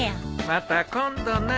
また今度な。